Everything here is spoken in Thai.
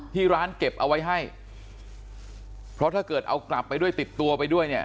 ที่ร้านเก็บเอาไว้ให้เพราะถ้าเกิดเอากลับไปด้วยติดตัวไปด้วยเนี่ย